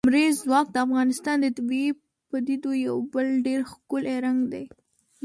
لمریز ځواک د افغانستان د طبیعي پدیدو یو بل ډېر ښکلی رنګ دی.